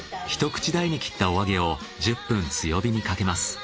ひと口大に切ったお揚げを１０分強火にかけます。